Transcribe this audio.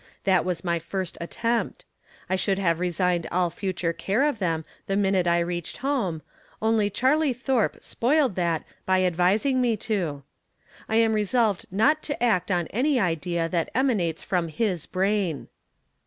That was my first attempt. I should have resigned all fu ture care of them the minute I reached home, only Charhe Thorpe spoiled that hy advising me to. I am resolved not to act on any idea that emanates from his brain.